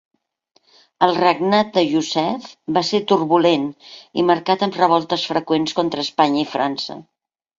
El regnat de Yusef va ser turbulent i marcat amb revoltes freqüents contra Espanya i França.